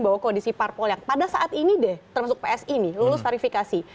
bahwa kondisi parpol yang pada saat ini deh termasuk psi nih lulus klarifikasi